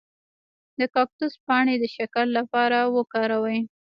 د کاکتوس پاڼې د شکر لپاره وکاروئ